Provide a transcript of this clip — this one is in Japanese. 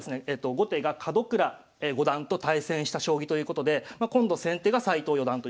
後手が門倉五段と対戦した将棋ということで今度先手が斎藤四段ということですね。